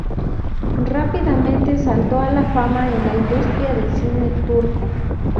Rápidamente saltó a la fama en la industria del cine turco.